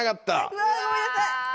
うわごめんなさい。